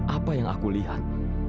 apa yang aku lihat